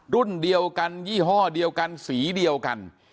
รุ่นเดียวกันยี่ห้อเดียวกันสีเดียวกัน